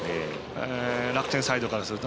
楽天サイドからすると。